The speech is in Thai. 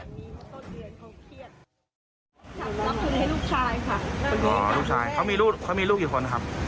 ฉันรับคืนให้ลูกชายค่ะอ๋อลูกชายเขามีลูกเขามีลูกกี่คนครับ